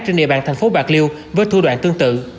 trên địa bàn thành phố bạc liêu với thu đoạn tương tự